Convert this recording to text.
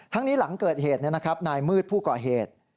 นี้หลังเกิดเหตุนายมืดผู้ก่อเหตุ